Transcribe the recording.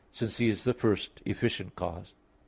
3), since He is the first efficient cause.